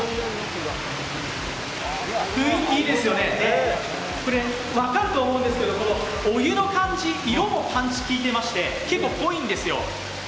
雰囲気いいですよね分かると思うんですけどお湯の感じ、色もパンチ効いていまして結構濃いんですよ。